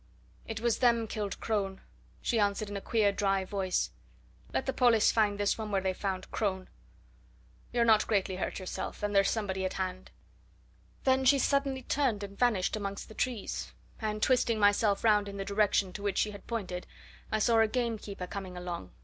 "It was them killed Crone," she answered in a queer dry voice. "Let the pollis find this one where they found Crone! You're not greatly hurt yourself and there's somebody at hand." Then she suddenly turned and vanished amongst the trees, and, twisting myself round in the direction to which she had pointed, I saw a gamekeeper coming along.